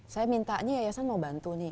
saya mintanya yayasan mau bantu nih